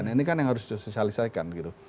ini kan yang harus diselesaikan gitu